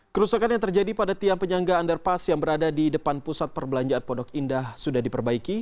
kerusakan yang terjadi pada tiang penyangga underpass yang berada di depan pusat perbelanjaan pondok indah sudah diperbaiki